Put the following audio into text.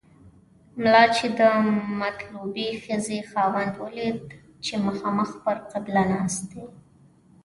ملا چې د مطلوبې ښځې خاوند ولید چې مخامخ پر قبله ناست دی.